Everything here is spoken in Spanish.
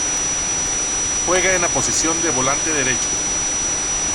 Juega en la posición de volante derecho.